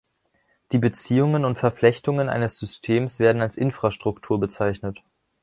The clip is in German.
Die Beziehungen und Verflechtungen eines Systems werden als Infrastruktur bezeichnet.